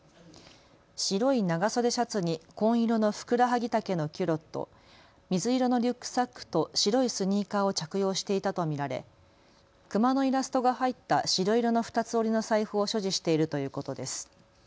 白い長袖シャツに紺色のふくらはぎ丈のキュロット、水色のリュックサックと白いスニーカーを着用していたと見られ、熊のイラストが入った白色の二つ折りの財布を所持しているということです。